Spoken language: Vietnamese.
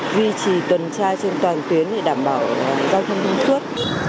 duy trì tuần tra trên toàn tuyến để đảm bảo giao thông thông suốt